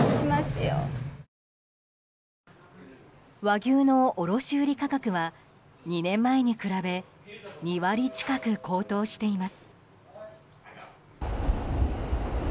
和牛の卸売価格は２年前に比べ２割近く高騰しています。